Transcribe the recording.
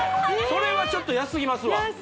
それはちょっと安すぎますわ